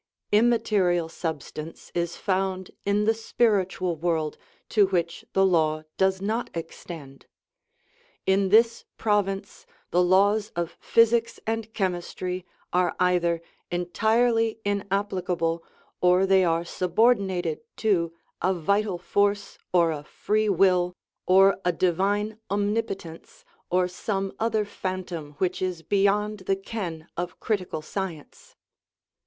Immaterial sub stance is found in the " spiritual world " to which the law does not extend; in this province the laws of physics and chemistry are either entirely inapplicable or they are subordinated to a " vital force," or a " free will," or a " divine omnipotence," or some other phan tom which is beyond the ken of critical science.